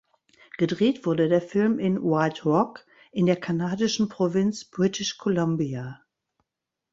Gedreht wurde der Film in White Rock in der kanadischen Provinz British Columbia.